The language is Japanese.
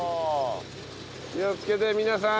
気をつけて皆さん。